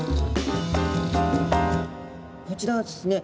こちらはですね